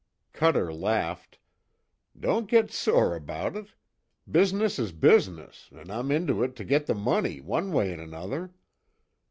Cuter laughed: "Don't git sore about it. Business is business, an' I'm into it to git the money, one way an' another.